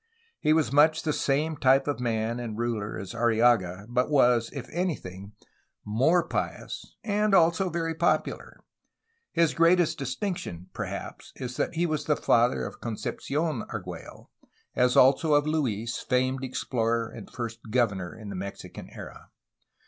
He was much the same type of man and ruler as Arrillaga, but was, if anything, more pious and also very popular. His greatest distinction, perhaps, is that he was the father of Concepci6n Argiiello, as also of Luis, famed explorer and first governor in the Mexican era.